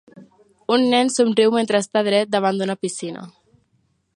Un nen somriu mentre està dret davant d'una piscina.